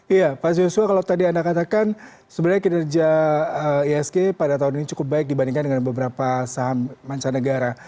iya pak joshua kalau tadi anda katakan sebenarnya kinerja isg pada tahun ini cukup baik dibandingkan dengan beberapa saham mancanegara